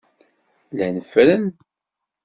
Llan ffren.